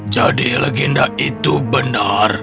jadi legenda itu benar